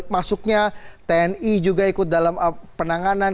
masuknya tni juga ikut dalam penanganan